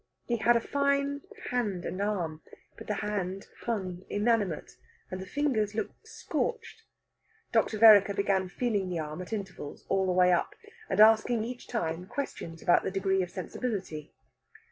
He had a fine hand and arm, but the hand hung inanimate, and the fingers looked scorched. Dr. Vereker began feeling the arm at intervals all the way up, and asking each time questions about the degree of sensibility.